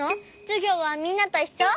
じゅぎょうはみんなといっしょ？